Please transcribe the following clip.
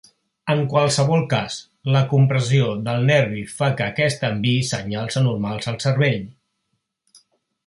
En qualsevol cas, la compressió del nervi fa que aquest enviï senyals anormals al cervell.